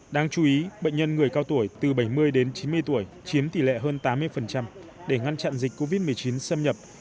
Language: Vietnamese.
đáng chú ý bệnh nhân người cao tuổi từ bảy mươi đến chín mươi tuổi chiếm tỷ lệ hơn tám mươi để ngăn chặn dịch covid một mươi chín xâm nhập